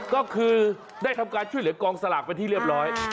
ก็คือได้ทำการช่วยเหลือกองสลากเป็นที่เรียบร้อย